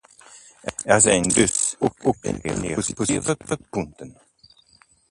Er zijn dus ook enige positieve punten.